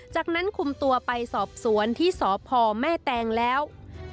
จากนั้นคุมตัวไปสอบสวนที่สพแม่แตงแล้ว